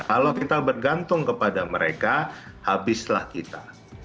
kalau kita bergantung kepada mereka habislah kita